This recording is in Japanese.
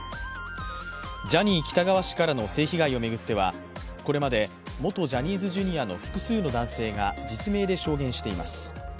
ジャニー喜多川氏からの性被害を巡っては、これまで元ジャニーズＪｒ．の複数の男性が実名で証言しています。